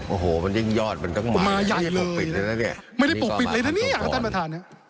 โอ้โหมันยิ่งยอดมันต้องมาใหญ่เลยไม่ได้ปกปิดเลยนะเนี่ยท่านประธาน